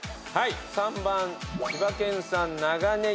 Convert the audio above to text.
３番千葉県産長ネギ。